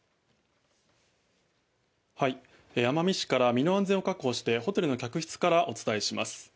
奄美市から身の安全を確保してホテルの客室からお伝えします。